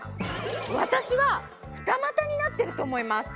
私は二股になってると思います。